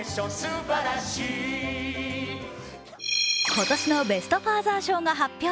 今年のベスト・ファーザー賞が発表。